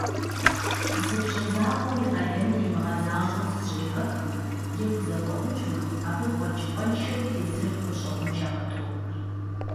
Зы бжьэ закъуэм и къалэныр имыгъэзащӀэу зыщӀригъэхмэ е хузэфӀэмыкӀмэ, абы фӀэкӀыпӀэншэу тезыр гущӀэгъуншэ къытохуэр.